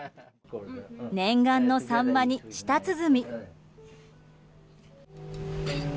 念願のサンマに、舌鼓！